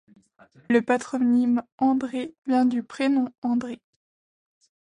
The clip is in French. Le patronyme André vient du prénom André.